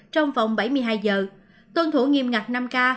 trong vòng bảy mươi hai giờ tuân thủ nghiêm ngặt năm k